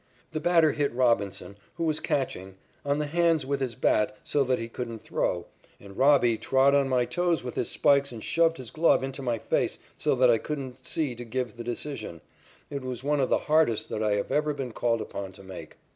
The batter hit Robinson, who was catching, on the hands with his bat so that he couldn't throw, and 'Robbie' trod on my toes with his spikes and shoved his glove into my face so that I couldn't see to give the decision. It was one of the hardest that I have ever been called upon to make."